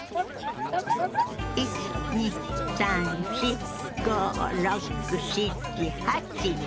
１２３４５６７８。